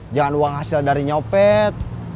jangan uang hasil dari nyopet